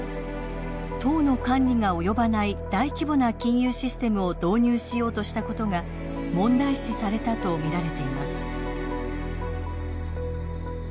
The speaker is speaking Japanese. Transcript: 党の管理が及ばない大規模な金融システムを導入しようとしたことが問題視されたと見られています。